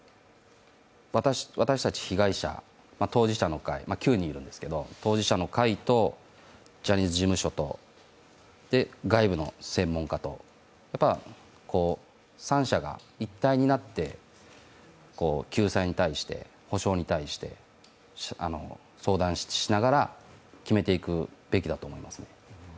私たち被害者、当事者の会９人いるんですけれども、当事者の会とジャニーズ事務所と外部の専門家と三者が一体になって救済に対して、補償に対して相談しながら決めていくべきだと思いますね。